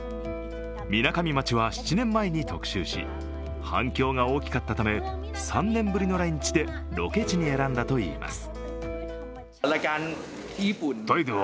みなかみ町は７年前に特集し反響が大きかったため３年ぶりの来日でロケ地に選んだといいます。